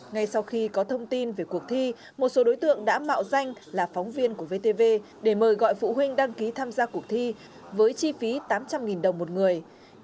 ngay sau khi có thông tin về cuộc thi một số đối tượng đã mạo danh là phóng viên của vtv để mời gọi phụ huynh đăng ký tham gia cuộc thi với chi phí tám trăm linh đồng một người